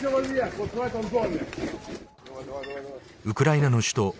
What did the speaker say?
ウクライナの首都